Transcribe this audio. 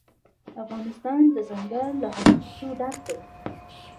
افغانستان له دځنګل حاصلات ډک دی.